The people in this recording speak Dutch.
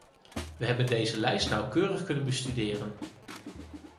We hebben deze lijst nauwkeurig kunnen bestuderen.